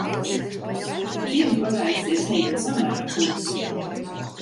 Diena pagāja sirsnīgi un samērā klusi.